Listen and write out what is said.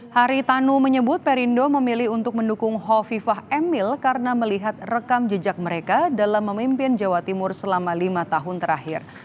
hari tanu menyebut perindo memilih untuk mendukung hovifah emil karena melihat rekam jejak mereka dalam memimpin jawa timur selama lima tahun terakhir